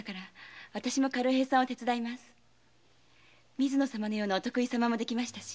水野様のようなお得意様もできましたし。